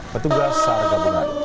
petugas sarga bunga